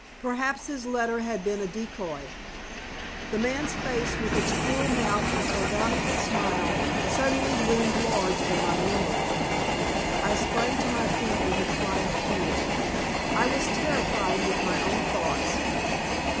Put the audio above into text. Perhaps his letter had been a decoy. The man's face, with its cruel mouth and sardonic smile, suddenly loomed large in my memory. I sprang to my feet with a cry of fear. I was terrified with my own thoughts.